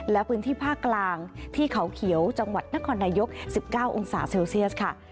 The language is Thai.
และพื้นที่ภาคกลางที่เขาเขียวจังหวัดนครนายก๑๙องศาเซลเซียสค่ะ